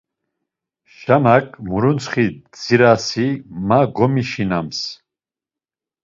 Şanak murutsxi dzirasi ma gomişinams.